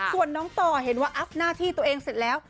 ส่วนน้องต่อเห็นว่าอัพหน้าที่ตัวเองเสร็จแล้ว